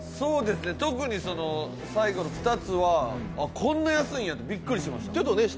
特に最後の２つはこんなに安いんやとビックリしました。